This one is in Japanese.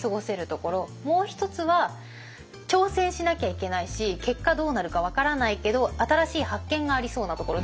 もう一つは挑戦しなきゃいけないし結果どうなるか分からないけど新しい発見がありそうなところ。